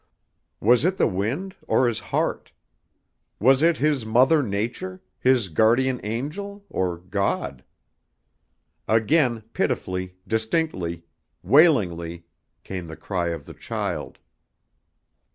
Was it the wind or his heart? Was it his Mother Nature, his Guardian Angel, or God? Again pitifully, distinctly, wailingly, came the cry of the child.